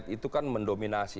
itu kan mendominasi